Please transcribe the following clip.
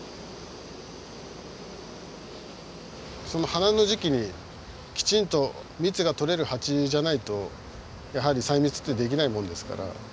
花の時期にきちんと蜜が採れるハチじゃないとやはり採蜜ってできないもんですから。